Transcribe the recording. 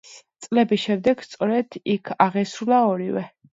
წლების შემდეგ სწორედ იქ აღესრულა ორივე.